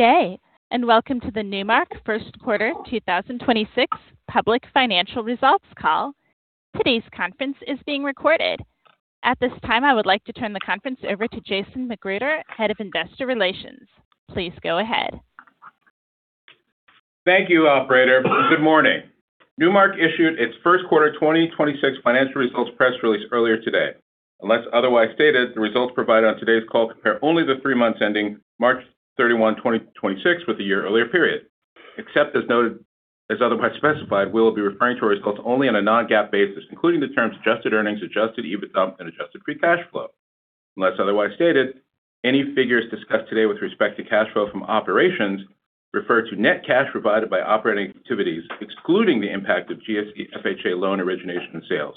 Day, welcome to the Newmark first quarter 2026 public financial results call. Today's conference is being recorded. At this time, I would like to turn the conference over to Jason McGruder, Head of Investor Relations. Please go ahead. Thank you, operator. Good morning. Newmark issued its first quarter 2026 financial results press release earlier today. Unless otherwise stated, the results provided on today's call compare only the three months ending March 31, 2026 with the year earlier period. Except as otherwise specified, we'll be referring to results only on a non-GAAP basis, including the terms Adjusted Earnings, Adjusted EBITDA, and Adjusted Free Cash Flow. Unless otherwise stated, any figures discussed today with respect to cash flow from operations refer to net cash provided by operating activities, excluding the impact of GSE-FHA loan origination sales.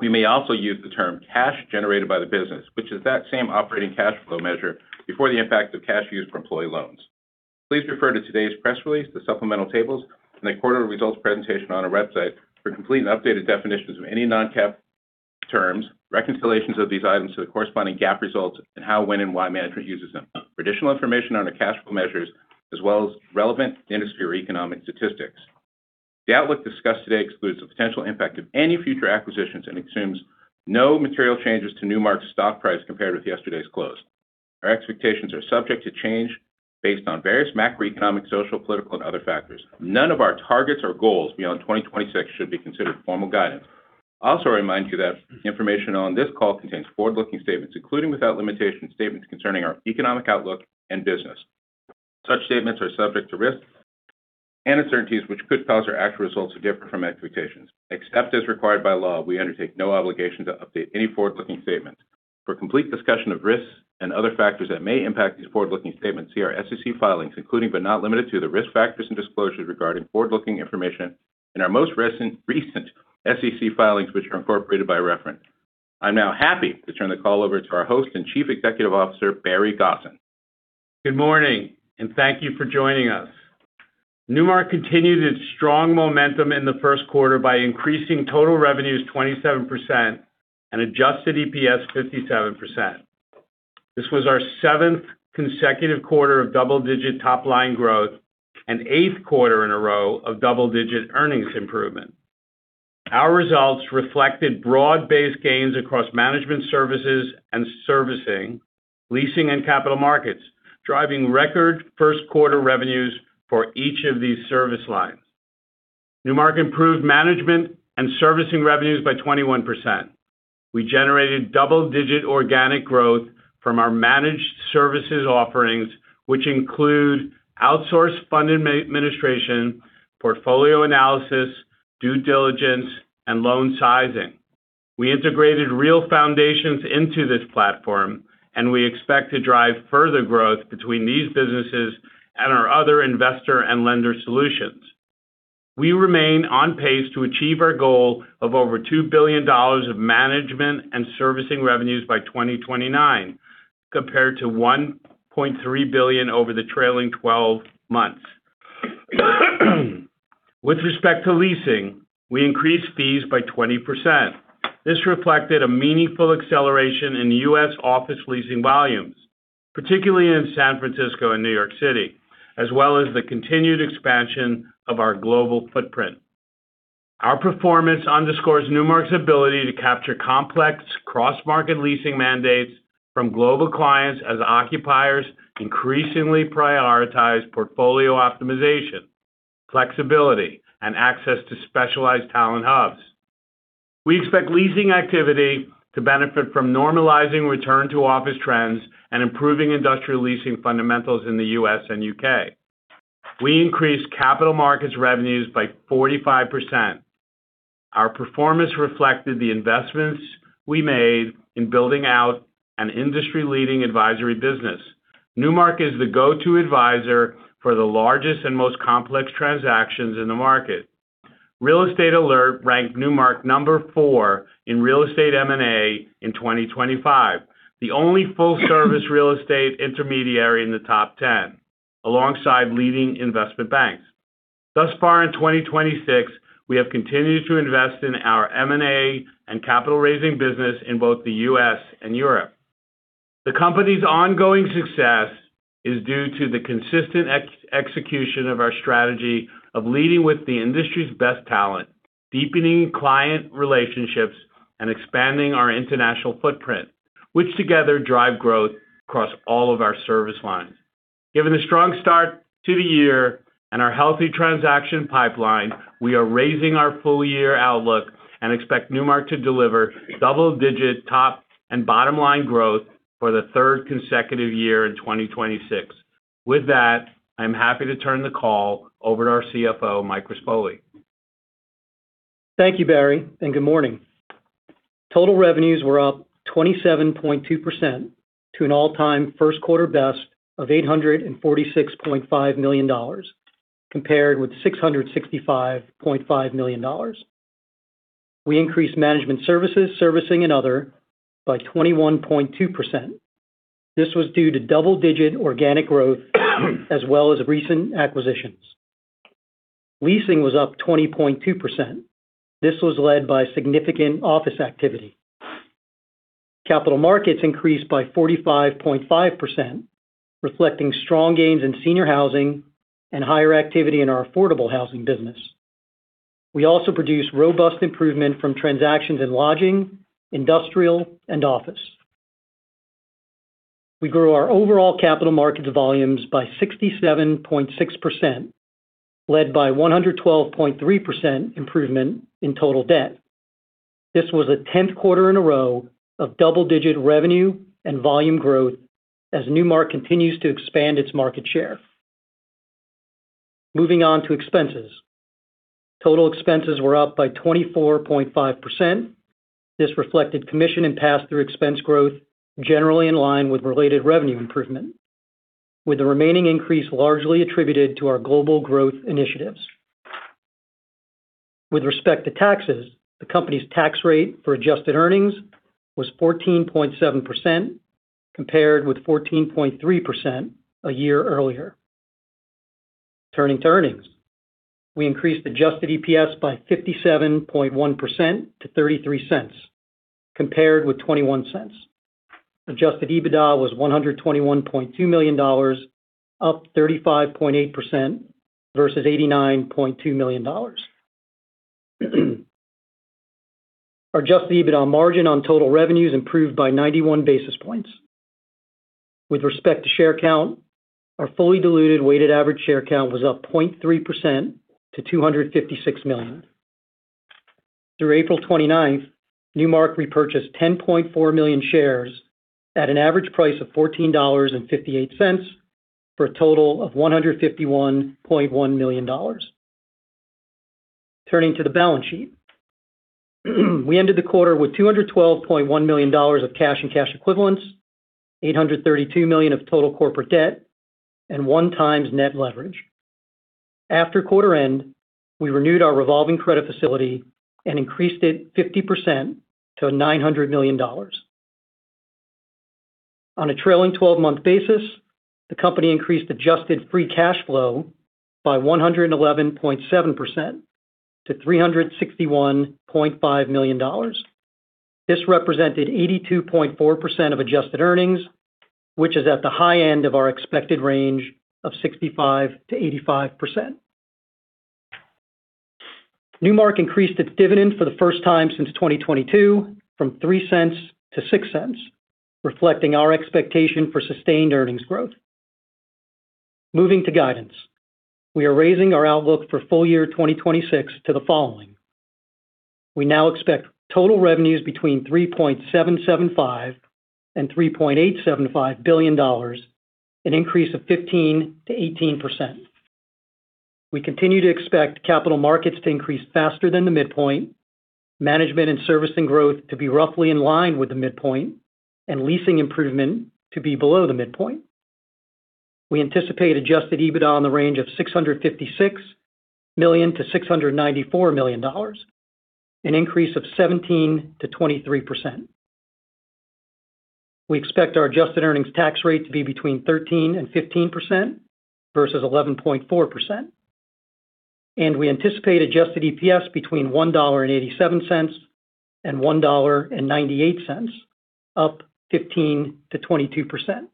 We may also use the term cash generated by the business, which is that same operating cash flow measure before the impact of cash used for employee loans. Please refer to today's press release, the supplemental tables, and the quarter results presentation on our website for complete and updated definitions of any non-GAAP terms, reconciliations of these items to the corresponding GAAP results, and how, when, and why management uses them. For additional information on the cash flow measures, as well as relevant industry or economic statistics. The outlook discussed today excludes the potential impact of any future acquisitions and assumes no material changes to Newmark's stock price compared with yesterday's close. Our expectations are subject to change based on various macroeconomic, social, political, and other factors. None of our targets or goals beyond 2026 should be considered formal guidance. I also remind you that information on this call contains forward-looking statements, including without limitation, statements concerning our economic outlook and business. Such statements are subject to risks and uncertainties which could cause our actual results to differ from expectations. Except as required by law, we undertake no obligation to update any forward-looking statements. For complete discussion of risks and other factors that may impact these forward-looking statements, see our SEC filings, including but not limited to the risk factors and disclosures regarding forward-looking information in our most recent SEC filings, which are incorporated by reference. I'm now happy to turn the call over to our host and Chief Executive Officer, Barry Gosin. Good morning, and thank you for joining us. Newmark continued its strong momentum in the first quarter by increasing total revenues 27% and Adjusted EPS 57%. This was our seventh consecutive quarter of double-digit top-line growth and eighth quarter in a row of double-digit earnings improvement. Our results reflected broad-based gains across management services and servicing, leasing, and Capital Markets, driving record first quarter revenues for each of these service lines. Newmark improved management and servicing revenues by 21%. We generated double-digit organic growth from our managed services offerings, which include outsourced fund administration, portfolio analysis, due diligence, and loan sizing. We integrated RealFoundations into this platform, and we expect to drive further growth between these businesses and our other investor and lender solutions. We remain on pace to achieve our goal of over $2 billion of management and servicing revenues by 2029, compared to $1.3 billion over the trailing 12 months. With respect to leasing, we increased fees by 20%. This reflected a meaningful acceleration in U.S. office leasing volumes, particularly in San Francisco and New York City, as well as the continued expansion of our global footprint. Our performance underscores Newmark's ability to capture complex cross-market leasing mandates from global clients as occupiers increasingly prioritize portfolio optimization, flexibility, and access to specialized talent hubs. We expect leasing activity to benefit from normalizing return to office trends and improving industrial leasing fundamentals in the U.S. and U.K. We increased Capital Markets revenues by 45%. Our performance reflected the investments we made in building out an industry-leading advisory business. Newmark is the go-to advisor for the largest and most complex transactions in the market. Real Estate Alert ranked Newmark number four in real estate M&A in 2025, the only full-service real estate intermediary in the top 10, alongside leading investment banks. Thus far in 2026, we have continued to invest in our M&A and capital raising business in both the U.S. and Europe. The company's ongoing success is due to the consistent execution of our strategy of leading with the industry's best talent, deepening client relationships, and expanding our international footprint, which together drive growth across all of our service lines. Given the strong start to the year and our healthy transaction pipeline, we are raising our full-year outlook and expect Newmark to deliver double-digit top and bottom line growth for the third consecutive year in 2026. With that, I'm happy to turn the call over to our CFO, Mike Rispoli. Thank you, Barry, and good morning. Total revenues were up 27.2% to an all-time first quarter best of $846.5 million, compared with $665.5 million. We increased management services, servicing, and other by 21.2%. This was due to double-digit organic growth as well as recent acquisitions. Leasing was up 20.2%. This was led by significant office activity. Capital markets increased by 45.5%, reflecting strong gains in senior housing and higher activity in our affordable housing business. We also produced robust improvement from transactions in lodging, industrial, and office. We grew our overall Capital markets volumes by 67.6%, led by 112.3% improvement in total debt. This was a 10th quarter in a row of double-digit revenue and volume growth as Newmark continues to expand its market share. Moving on to expenses. Total expenses were up by 24.5%. This reflected commission and pass-through expense growth generally in line with related revenue improvement, with the remaining increase largely attributed to our global growth initiatives. With respect to taxes, the company's tax rate for Adjusted Earnings was 14.7% compared with 14.3% a year earlier. Turning to earnings. We increased Adjusted EPS by 57.1% to $0.33, compared with $0.21. Adjusted EBITDA was $121.2 million, up 35.8% versus $89.2 million. Our Adjusted EBITDA margin on total revenues improved by 91 basis points. With respect to share count, our fully diluted weighted average share count was up 0.3% to 256 million. Through April twenty-ninth, Newmark repurchased 10.4 million shares at an average price of $14.58, for a total of $151.1 million. Turning to the balance sheet. We ended the quarter with $212.1 million of cash and cash equivalents, $832 million of total corporate debt, and 1 times net leverage. After quarter end, we renewed our revolving credit facility and increased it 50% to $900 million. On a trailing twelve-month basis, the company increased Adjusted Free Cash Flow by 111.7% to $361.5 million. This represented 82.4% of Adjusted Earnings, which is at the high end of our expected range of 65%-85%. Newmark increased its dividend for the first time since 2022 from $0.03 to $0.06, reflecting our expectation for sustained earnings growth. Moving to guidance. We are raising our outlook for full year 2026 to the following. We now expect total revenues between $3.775 billion and $3.875 billion, an increase of 15%-18%. We continue to expect Capital Markets to increase faster than the midpoint, management and servicing growth to be roughly in line with the midpoint, and leasing improvement to be below the midpoint. We anticipate Adjusted EBITDA in the range of $656 million-$694 million, an increase of 17%-23%. We expect our Adjusted Earnings tax rate to be between 13%-15% versus 11.4%. We anticipate Adjusted EPS between $1.87 and $1.98, up 15%-22%.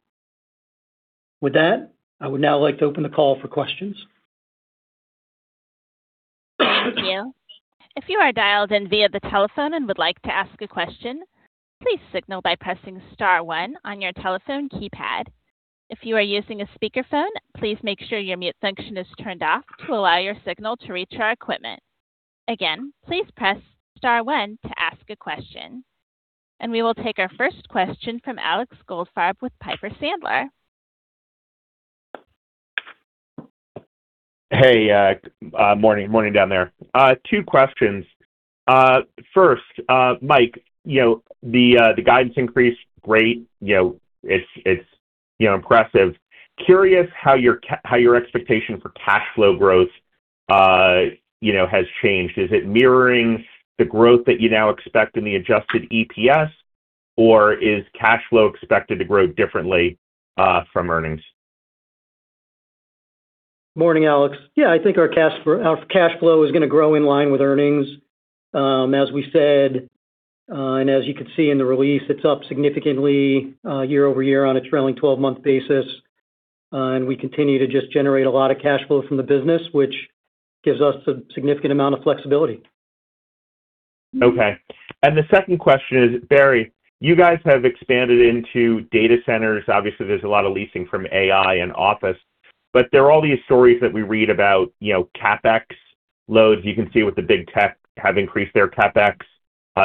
With that, I would now like to open the call for questions. Thank you. If you are dialed in via the telephone and would like to ask a question, please signal by pressing star one on your telephone keypad. If you are using a speakerphone, please make sure your mute function is turned off to allow your signal to reach our equipment. Again, please press star one to ask a question. We will take our first question from Alexander Goldfarb with Piper Sandler. Morning. Morning down there. Two questions. First, Mike, you know, the guidance increase, great. You know, it's, you know, impressive. Curious how your expectation for cash flow growth, you know, has changed. Is it mirroring the growth that you now expect in the Adjusted EPS, or is cash flow expected to grow differently from earnings? Morning, Alex. Yeah, I think our cash flow is gonna grow in line with earnings. As we said, as you can see in the release, it's up significantly year-over-year on a trailing 12-month basis. We continue to just generate a lot of cash flow from the business, which gives us a significant amount of flexibility. Okay. The second question is, Barry, you guys have expanded into data centers. Obviously, there's a lot of leasing from AI and office, there are all these stories that we read about, you know, CapEx loads. You can see with the big tech have increased their CapEx.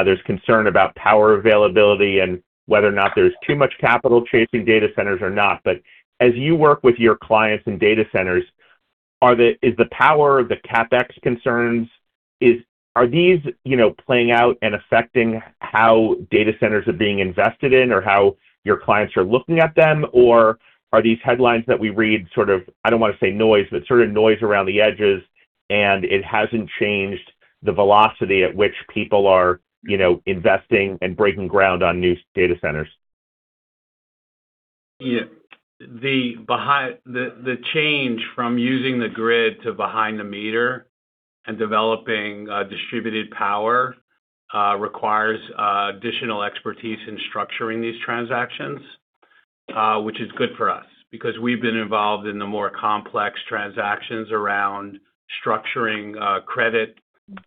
There's concern about power availability and whether or not there's too much capital chasing data centers or not. As you work with your clients in data centers, are these, you know, playing out and affecting how data centers are being invested in or how your clients are looking at them? Are these headlines that we read sort of, I don't want to say noise, but sort of noise around the edges, and it hasn't changed the velocity at which people are, you know, investing and breaking ground on new data centers? Yeah. The change from using the grid to behind the meter and developing distributed power requires additional expertise in structuring these transactions. Which is good for us because we've been involved in the more complex transactions around structuring credit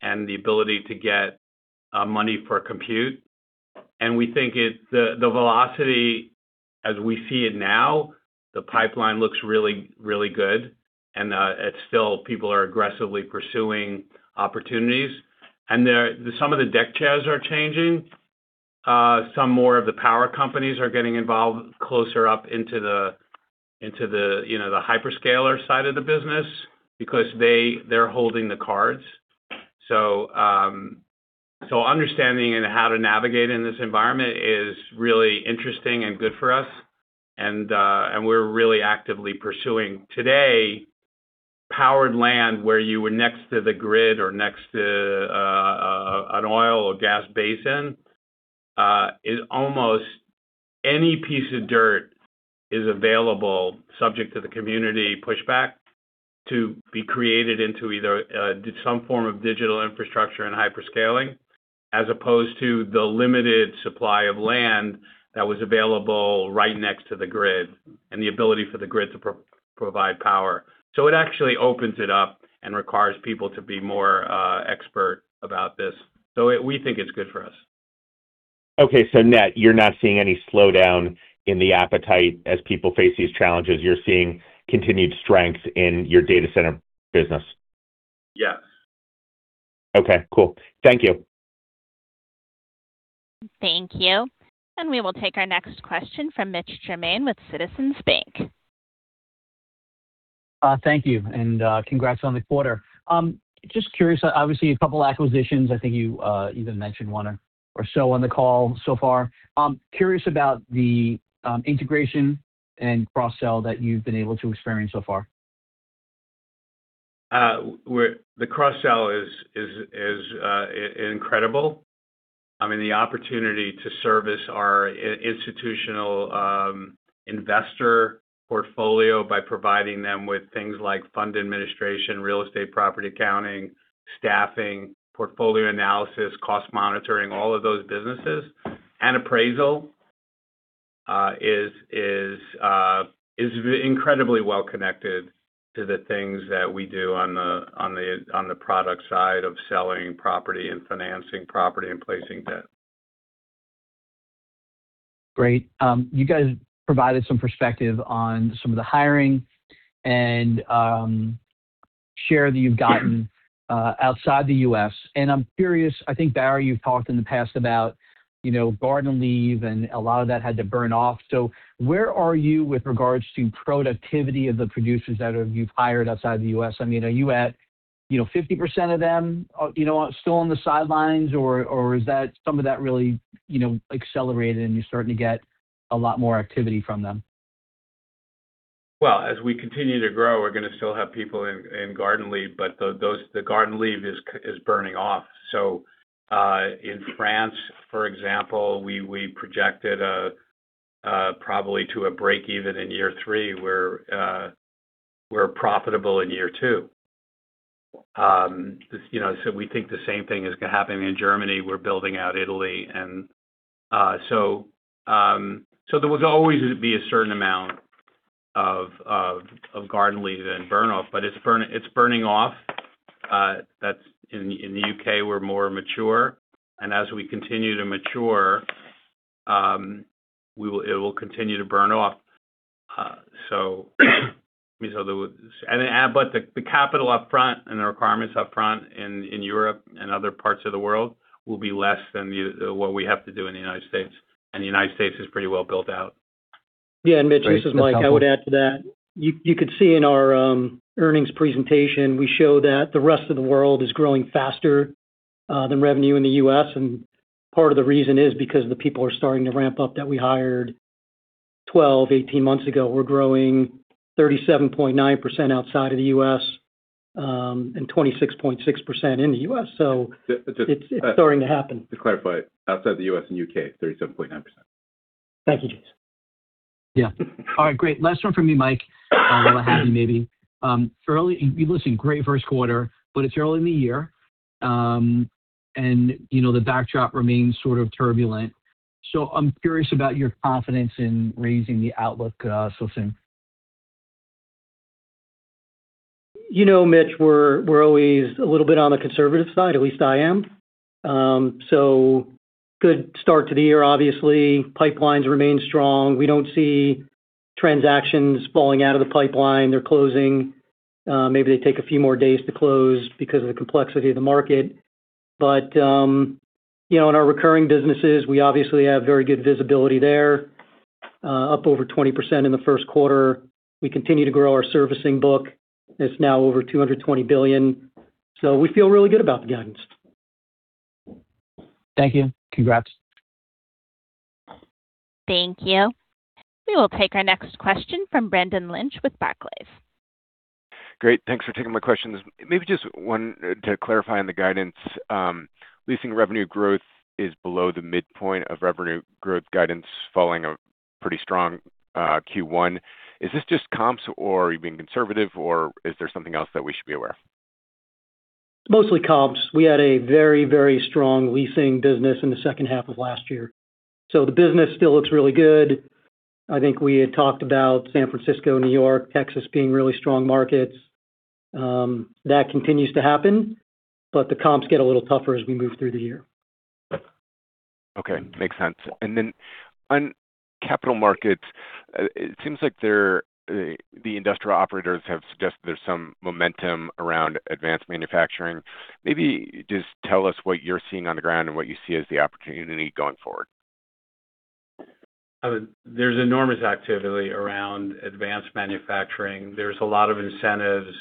and the ability to get money for compute. We think the velocity as we see it now, the pipeline looks really, really good. It's still people are aggressively pursuing opportunities. Some of the deck chairs are changing. Some more of the power companies are getting involved closer up into the, you know, the hyperscaler side of the business because they're holding the cards. Understanding in how to navigate in this environment is really interesting and good for us. We're really actively pursuing today powered land where you were next to the grid or next to an oil or gas basin is almost any piece of dirt is available subject to the community pushback to be created into either some form of digital infrastructure and hyperscaling, as opposed to the limited supply of land that was available right next to the grid, and the ability for the grid to provide power. It actually opens it up and requires people to be more expert about this. We think it's good for us. Okay. net, you're not seeing any slowdown in the appetite as people face these challenges. You're seeing continued strength in your data center business? Yes. Okay, cool. Thank you. Thank you. We will take our next question from Mitch Germain with Citizens Bank. Thank you, congrats on the quarter. Just curious, obviously a couple acquisitions. I think you even mentioned one or so on the call so far. I'm curious about the integration and cross-sell that you've been able to experience so far. The cross-sell is incredible. I mean, the opportunity to service our institutional investor portfolio by providing them with things like fund administration, real estate property accounting, staffing, portfolio analysis, cost monitoring, all of those businesses, and appraisal, is incredibly well connected to the things that we do on the, on the, on the product side of selling property and financing property and placing debt. Great. You guys provided some perspective on some of the hiring and share that you've gotten outside the U.S. I'm curious, I think, Barry, you've talked in the past about, you know, garden leave and a lot of that had to burn off. Where are you with regards to productivity of the producers that you've hired outside the U.S.? I mean, are you at, you know, 50% of them, you know, still on the sidelines or is that some of that really, you know, accelerated and you're starting to get a lot more activity from them? As we continue to grow, we're going to still have people in garden leave, but the garden leave is burning off. In France, for example, we projected probably to a break even in year three. We're profitable in year two. You know, we think the same thing is going to happen in Germany. We're building out Italy, there was always be a certain amount of garden leave and burn off, but it's burning off. That's in the U.K., we're more mature. As we continue to mature, it will continue to burn off. I mean, the capital up front and the requirements up front in Europe and other parts of the world will be less than the, what we have to do in the United States. The United States is pretty well built out. Yeah. Mitch, this is Mike. I would add to that. You, you could see in our earnings presentation, we show that the rest of the world is growing faster than revenue in the U.S. Part of the reason is because the people are starting to ramp up that we hired 12, 18 months ago. We're growing 37.9% outside of the U.S., and 26.6% in the U.S. It's, it's starting to happen. To clarify, outside the U.S. and U.K., 37.9%. Thank you, Jason. Yeah. All right, great. Last one from me, Mike, or Barry maybe. listen, great first quarter, but it's early in the year. and you know, the backdrop remains sort of turbulent. I'm curious about your confidence in raising the outlook so soon. You know, Mitch, we're always a little bit on the conservative side, at least I am. Good start to the year, obviously. Pipelines remain strong. We don't see transactions falling out of the pipeline. They're closing. Maybe they take a few more days to close because of the complexity of the market. You know, in our recurring businesses, we obviously have very good visibility there. Up over 20% in the first quarter. We continue to grow our servicing book. It's now over $220 billion. We feel really good about the guidance. Thank you. Congrats. Thank you. We will take our next question from Brendan Lynch with Barclays. Great. Thanks for taking my questions. Maybe just one to clarify on the guidance. Leasing revenue growth is below the midpoint of revenue growth guidance following a pretty strong Q1. Is this just comps, or are you being conservative, or is there something else that we should be aware of? Mostly comps. We had a very, very strong leasing business in the second half of last year. The business still looks really good. I think we had talked about San Francisco, New York, Texas being really strong markets. That continues to happen, but the comps get a little tougher as we move through the year. Okay. Makes sense. On Capital Markets, it seems like the industrial operators have suggested there is some momentum around advanced manufacturing. Just tell us what you are seeing on the ground and what you see as the opportunity going forward? There's enormous activity around advanced manufacturing. There's a lot of incentives.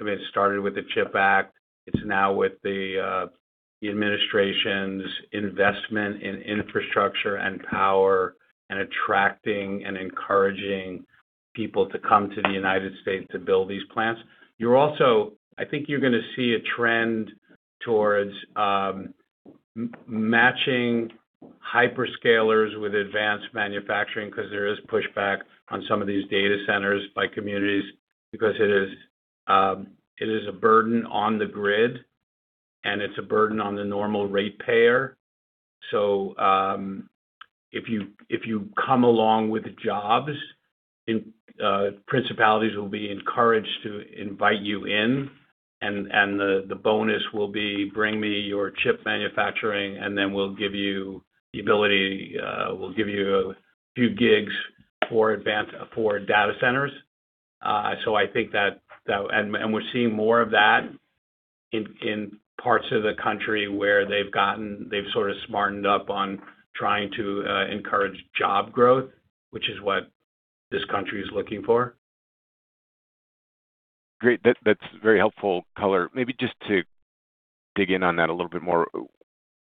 I mean, it started with the CHIP Act. It's now with the administration's investment in infrastructure and power and attracting and encouraging people to come to the United States to build these plants. I think you're gonna see a trend towards matching hyperscalers with advanced manufacturing because there is pushback on some of these data centers by communities because it is a burden on the grid, and it's a burden on the normal rate payer. If you, if you come along with the jobs in, principalities will be encouraged to invite you in and the bonus will be bring me your chip manufacturing, and then we'll give you the ability, we'll give you a few gigs for data centers. I think that, and we're seeing more of that in parts of the country where they've sort of smartened up on trying to encourage job growth, which is what this country is looking for. Great. That's very helpful color. Maybe just to dig in on that a little bit more.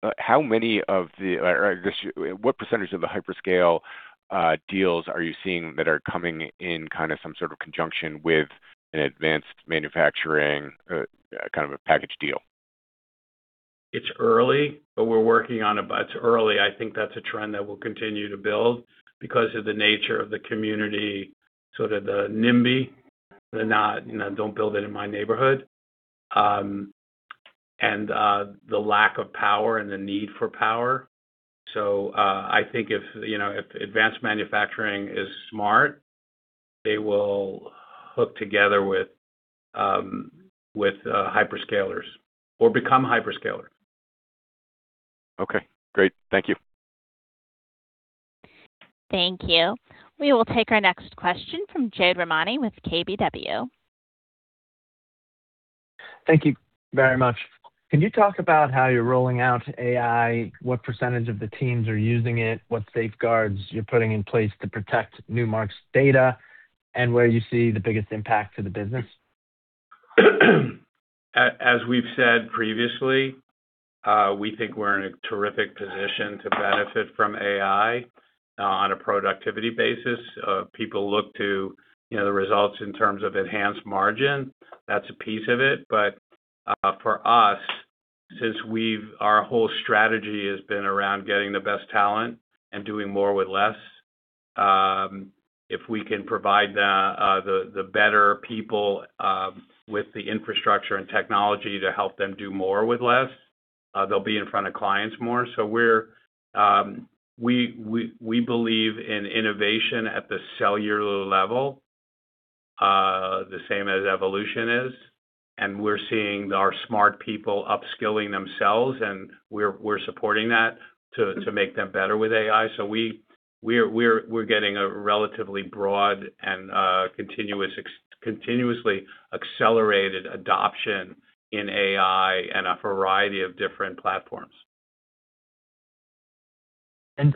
Or I guess what percentage of the hyperscale deals are you seeing that are coming in kind of some sort of conjunction with an advanced manufacturing, kind of a package deal? It's early, we're working on it. It's early. I think that's a trend that will continue to build because of the nature of the community, sort of the NIMBY, the not, you know, don't build it in my neighborhood, and the lack of power and the need for power. I think if, you know, if advanced manufacturing is smart, they will hook together with hyperscalers or become hyperscalers. Okay, great. Thank you. Thank you. We will take our next question from Jade Rahmani with KBW. Thank you very much. Can you talk about how you're rolling out AI, what percentage of the teams are using it, what safeguards you're putting in place to protect Newmark's data, and where you see the biggest impact to the business? As we've said previously, we think we're in a terrific position to benefit from AI on a productivity basis. People look to, you know, the results in terms of enhanced margin. That's a piece of it. For us, since our whole strategy has been around getting the best talent and doing more with less, if we can provide the better people with the infrastructure and technology to help them do more with less, they'll be in front of clients more. We believe in innovation at the cellular level, the same as evolution is, and we're seeing our smart people upskilling themselves, and we're supporting that to make them better with AI. We're getting a relatively broad and continuously accelerated adoption in AI and a variety of different platforms.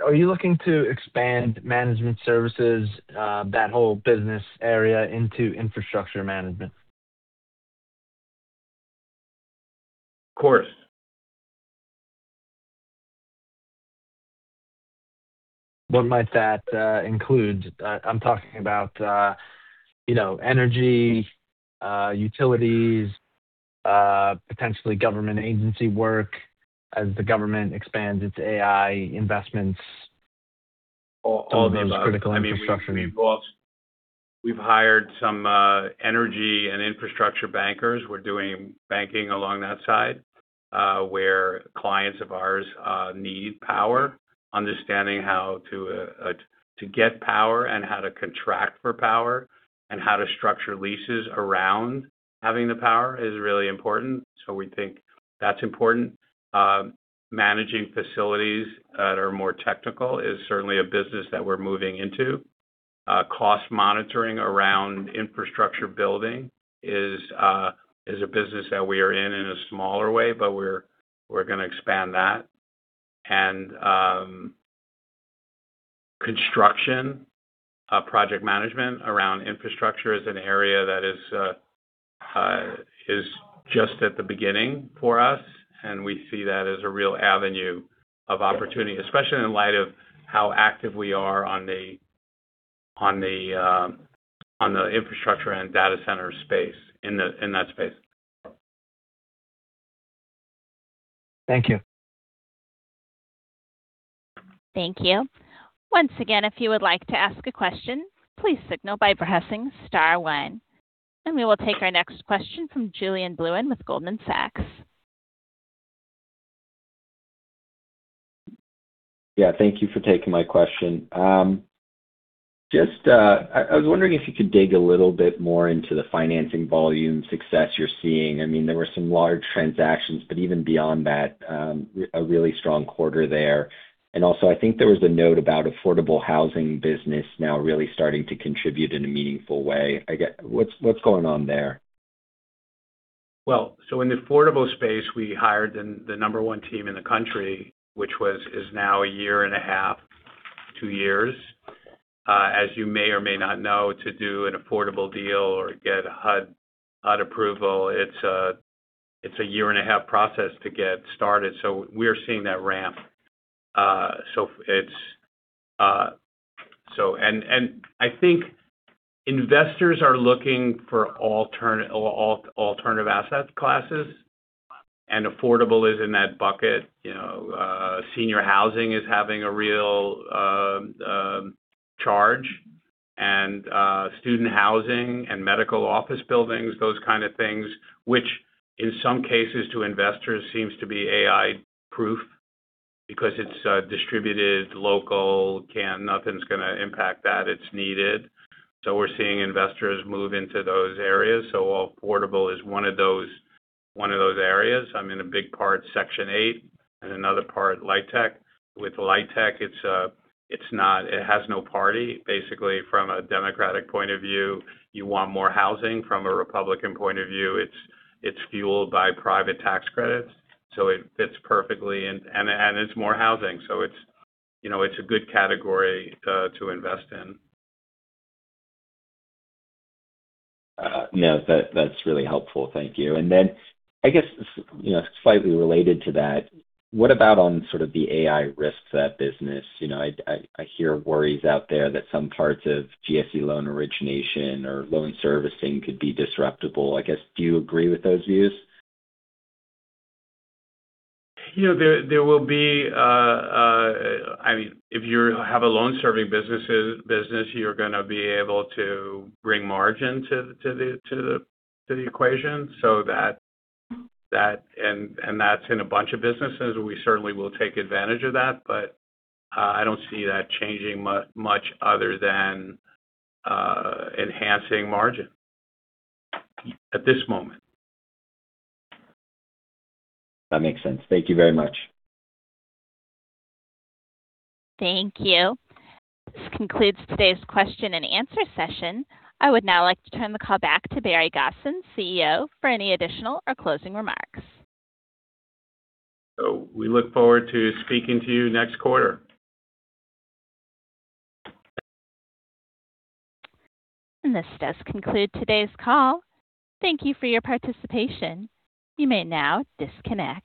are you looking to expand management services, that whole business area into infrastructure management? Of course. What might that include? I'm talking about, you know, energy, utilities, potentially government agency work as the government expands its AI investments. All those. Some of the most critical infrastructure. I mean, we've hired some energy and infrastructure bankers. We're doing banking along that side, where clients of ours need power, understanding how to get power and how to contract for power and how to structure leases around having the power is really important. We think that's important. Managing facilities that are more technical is certainly a business that we're moving into. Cost monitoring around infrastructure building is a business that we are in in a smaller way, but we're gonna expand that. Construction, project management around infrastructure is an area that is just at the beginning for us, and we see that as a real avenue of opportunity, especially in light of how active we are on the infrastructure and data center space. Thank you. Thank you. Once again, if you would like to ask a question, please signal by pressing star one. We will take our next question from Julien Blouin with Goldman Sachs. Yeah, thank you for taking my question. Just, I was wondering if you could dig a little bit more into the financing volume success you're seeing. I mean, there were some large transactions, but even beyond that, a really strong quarter there. Also, I think there was a note about affordable housing business now really starting to contribute in a meaningful way. What's going on there? Well, in the affordable space, we hired the number one team in the country, which is now a year and a half, two years. As you may or may not know, to do an affordable deal or get HUD approval, it's a year and a half process to get started. We're seeing that ramp. I think investors are looking for alternative asset classes. Affordable is in that bucket. You know, senior housing is having a real charge. Student housing and medical office buildings, those kind of things, which in some cases to investors seems to be AI-proof because it's distributed, local, nothing's gonna impact that. It's needed. We're seeing investors move into those areas. Affordable is one of those areas. A big part Section 8 and another part LIHTC. With LIHTC, it's not, it has no party. Basically, from a Democratic point of view, you want more housing. From a Republican point of view, it's fueled by private tax credits, so it fits perfectly and it's more housing, so it's, you know, it's a good category to invest in. Yeah, that's really helpful. Thank you. I guess, you know, slightly related to that, what about on sort of the AI risks business? You know, I hear worries out there that some parts of GSE loan origination or loan servicing could be disruptable. I guess, do you agree with those views? You know, there will be, I mean, if you have a loan serving business, you're gonna be able to bring margin to the equation. That's in a bunch of businesses. We certainly will take advantage of that. I don't see that changing much other than enhancing margin at this moment. That makes sense. Thank you very much. Thank you. This concludes today's question and answer session. I would now like to turn the call back to Barry Gosin, CEO, for any additional or closing remarks. We look forward to speaking to you next quarter. This does conclude today's call. Thank you for your participation. You may now disconnect.